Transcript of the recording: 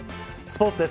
スポーツです。